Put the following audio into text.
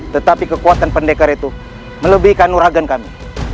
tetapi kekuatan pendekar itu melebihkan nuragan kami